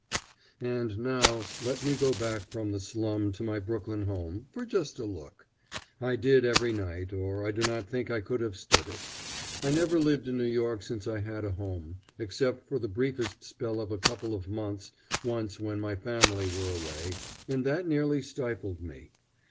And now let me go back from the slum to my Brooklyn home for just a look. I did every night, or I do not think I could have stood it. I never lived in New York since I had a home, except for the briefest spell of a couple of months once when my family were away, and that nearly stifled me.